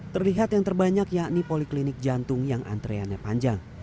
terlihat yang terbanyak yakni poliklinik jantung yang antreannya panjang